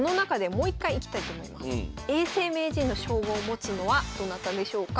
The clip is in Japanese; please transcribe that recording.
永世名人の称号を持つのはどなたでしょうか？